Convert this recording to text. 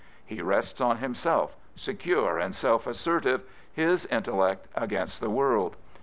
He rests on himself, secure and self assertive — his intellect against the world.